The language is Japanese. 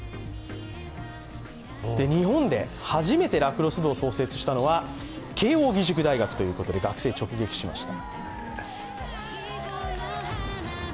日本で初めてラクロス部を創設したのは慶応義塾大学ということで学生を直撃しました。